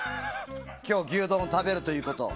今日、牛丼を食べるということを。